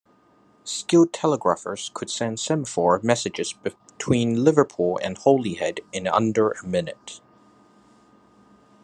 Skilled telegraphers could send semaphore messages between Liverpool and Holyhead in under a minute.